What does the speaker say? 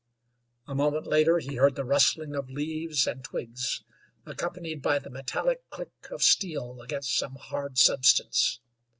A moment later he heard the rustling of leaves and twigs, accompanied by the metallic click of steel against some hard substance.